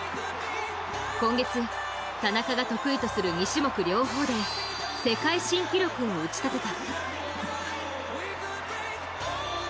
今月、田中が得意とする２種目両方で世界新記録を打ち立てた。